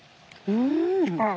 うん。